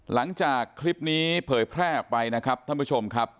หลังจากคลิปนี้เผยแพร่ออกไปนะครับท่านผู้ชมครับ